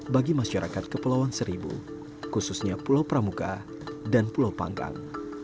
bagi masyarakat kepulauan seribu khususnya pulau pramuka dan pulau panggang